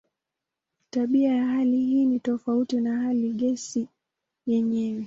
Tabia ya hali hii ni tofauti na hali ya gesi yenyewe.